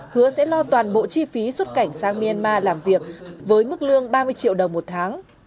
hứa sẽ lo toàn bộ chi phí xuất cảnh sang myanmar làm việc với mức lương ba mươi triệu đồng một tháng